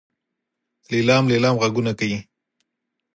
لیلام لیلام غږونه کوي.